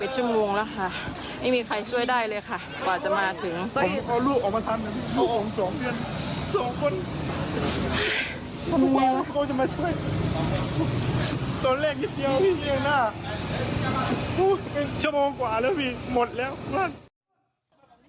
ชั่วโมงกว่าแล้วพี่หมดแล้ว